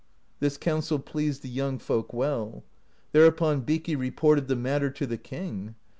This counsel pleased the young folk well. Thereupon Bikki reported the matter to the king.